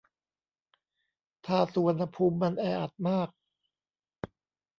ถ้าสุวรรณภูมิมันแออัดมาก